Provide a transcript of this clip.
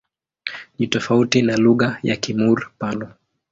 Ni tofauti na lugha ya Kimur-Pano.